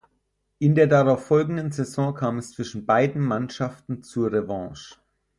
In der darauffolgenden Saison kam es zwischen beiden Mannschaften zur Revanche.